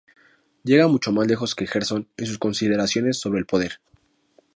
Llega mucho más lejos que Gerson en sus consideraciones sobre el poder.